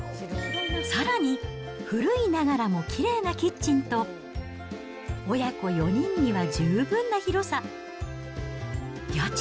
さらに古いながらもきれいなキッチンと、親子４人には十分な広さ。